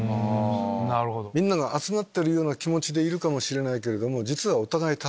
みんなが集まってるような気持ちでいるかもしれないけど。